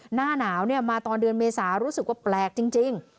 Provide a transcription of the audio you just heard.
หน้าหนาวมาตอนเดือนเมษารู้สึกว่าแปลกจริง